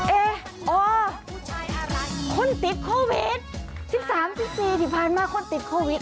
เอ๊ะโอ้คนติดโควิดสิบสามสิบสี่สี่พันมาคนติดโควิด